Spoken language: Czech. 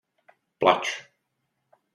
Plač.